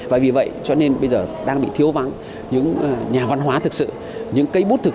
và vì vậy cho nên bây giờ đang bị thiếu vắng những nhà văn hóa thực sự những cây bút thực